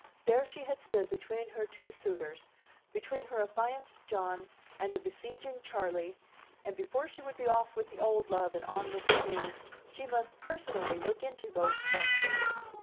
There she had stood between her two suitors, between her affianced John and the besieging Charley, and before she would be off with the old love and on with the new, she must personally look into those phosphates.